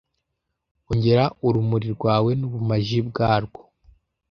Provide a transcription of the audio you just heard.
ongera urumuri rwawe nubumaji bwarwo